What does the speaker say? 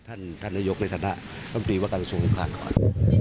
ท่านนายกในธนาคต้องดีว่าการส่งข้างก่อน